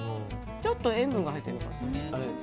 ちょっと塩分が入ってるかな。